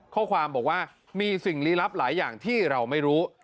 ข้อความบอกว่ามีสิ่งลี้ลับหลายอย่างที่เราไม่รู้